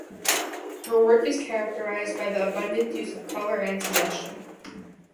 Her work is characterized by the abundant use of color and suggestion.